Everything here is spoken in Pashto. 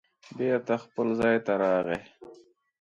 بېرته خپل ځای ته راغی